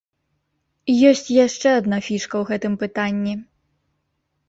Ёсць яшчэ адна фішка ў гэтым пытанні.